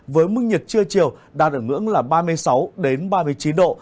với mức nhiệt trưa chiều đạt ở ngưỡng là ba mươi sáu ba mươi chín độ